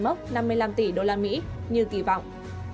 mốc năm mươi năm tỷ usd như kỳ vọng